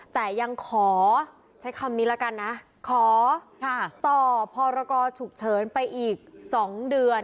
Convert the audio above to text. แต่ยังขอใช้คำนี้ละกันนะขอต่อพรกรฉุกเฉินไปอีก๒เดือน